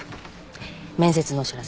面接のお知らせ。